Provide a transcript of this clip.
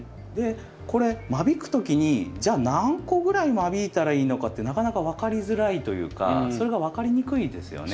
これ間引く時にじゃあ何個ぐらい間引いたらいいのかってなかなか分かりづらいというかそれが分かりにくいですよね。